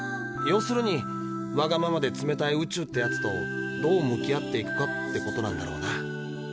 要するにわがままで冷たい宇宙ってやつとどう向き合っていくかってことなんだろうな。